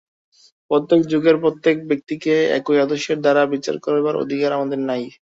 প্রত্যেক যুগের প্রত্যেক ব্যক্তিকে একই আদর্শের দ্বারা বিচার করিবার অধিকার আমাদের নাই।